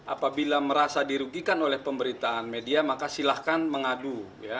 apabila merasa dirugikan oleh pemberitaan media maka silahkan mengadu